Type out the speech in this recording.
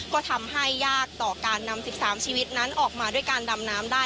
ก็ทำให้ยากต่อการนำ๑๓ชีวิตนั้นออกมาด้วยการดำน้ำได้